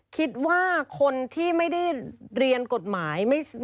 คิดว่าคนที่ไม่ได้เรียนกฎหมาย